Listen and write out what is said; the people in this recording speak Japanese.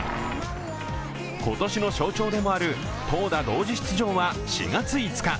今年の象徴でもある投打同時出場は４月５日。